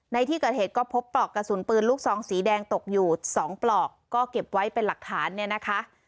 ในที่เกิดเหตุก็พบปลอกกระสุนปืนลูกซองสีแดงตกอยู่สองปลอกก็เก็บไว้เป็นหลักฐานเนี่ยนะคะ